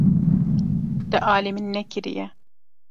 Te alî min nekiriye.